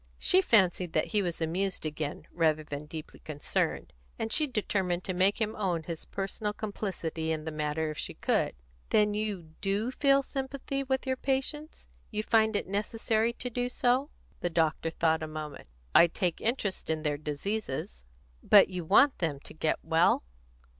She fancied that he was amused again, rather than deeply concerned, and she determined to make him own his personal complicity in the matter if she could. "Then you do feel sympathy with your patients? You find it necessary to do so?" The doctor thought a moment. "I take an interest in their diseases." "But you want them to get well?"